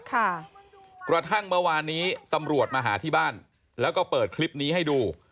กระทั่งเมื่อวานนี้ตำรวจมาหาที่บ้านแล้วก็เปิดคลิปนี้ให้ดู